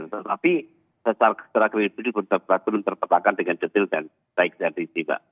tapi secara kredibel ini pun terpatahkan dengan jatil dan baik dan risiko